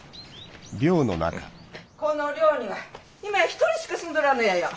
この寮には今１人しか住んどらんのやよ。